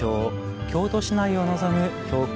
京都市内を望む標高